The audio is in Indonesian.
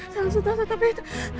saya takut tapi itu